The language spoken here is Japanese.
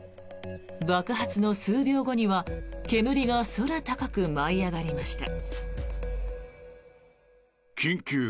爆発の数秒後には煙が空高く舞い上がりました。